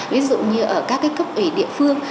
ví dụ như ở các cấp ủy địa phương